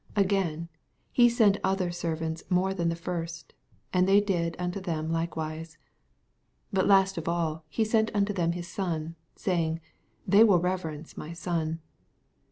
86 Again, he sent other servants more than the first: and they did unto them likewise. 87 But last of all he sent unto them his son, saying, They will reverence my son.